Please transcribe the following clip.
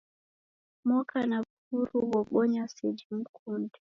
Moko na w'uhuru ghobonya seji mukunde